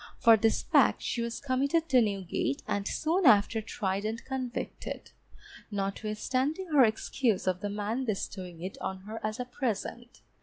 For this fact she was committed to Newgate, and soon after tried and convicted, notwithstanding her excuse of the man bestowing it on her as a present.